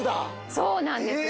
そうなんです